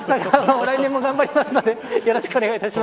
来年も頑張りますのでよろしくお願いいたします。